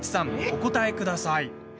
お答えください。